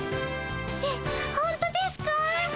えっほんとですか？